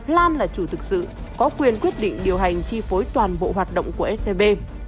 lan là chủ thực sự có quyền quyết định điều hành chi phối toàn bộ hoạt động của scb